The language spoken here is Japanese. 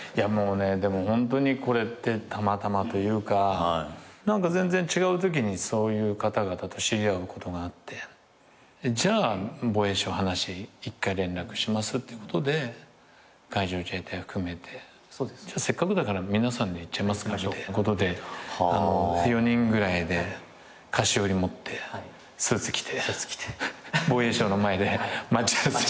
ホントにこれってたまたまというか全然違うときにそういう方々と知り合うことがあってじゃあ防衛省話一回連絡しますってことで海上自衛隊を含めてせっかくだから皆さんで行っちゃいますかってことで４人ぐらいで菓子折持ってスーツ着て防衛省の前で待ち合わせして。